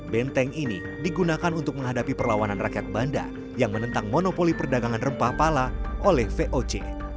benteng ini digunakan untuk menghadapi perlawanan rakyat banda yang menentang monopoli perdagangan rempah pala oleh voc